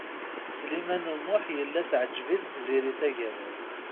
Sliman U Muḥ yella teɛǧeb-it Tiziri Tagawawt.